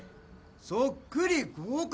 そっくり合格！